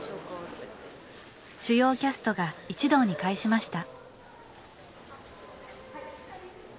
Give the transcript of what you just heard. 主要キャストが一堂に会しました